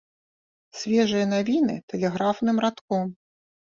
Свежыя навіны тэлеграфным радком.